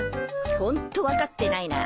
ホントわかってないな。